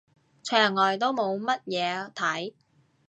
牆外都冇乜嘢睇